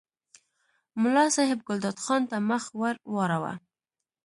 ملا صاحب ګلداد خان ته مخ ور واړاوه.